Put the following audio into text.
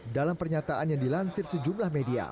dalam pernyataan yang dilansir sejumlah media